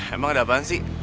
emang ada apaan sih